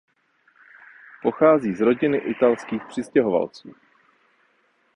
Pochází z rodiny italských přistěhovalců.